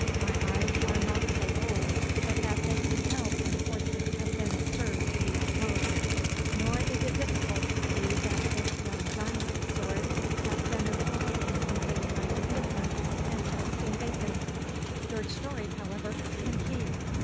My eyes are not so old but that they can tell when horses have been spurred to the utmost, nor is it difficult to see that this young giant's sword hath been employed in something less innocent than toasting bacon. Your story, however, can keep.